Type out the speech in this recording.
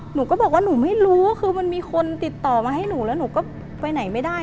หนูก็บอกว่าหนูไม่รู้คือมันมีคนติดต่อมาให้หนูแล้วหนูก็ไปไหนไม่ได้